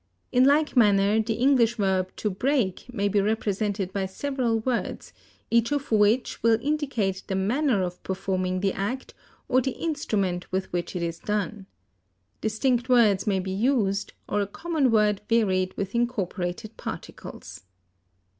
In like manner, the English verb to break may be represented by several words, each of which will indicate the manner of performing the act or the instrument with which it is done. Distinct words may be used, or a common word varied with incorporated particles.